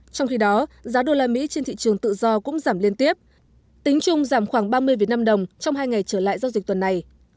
trong khi đó giá đô la mỹ trên thị trường tự do cũng giảm liên tiếp tính chung giảm khoảng ba mươi việt nam đồng trong hai ngày trở lại giao dịch tuần này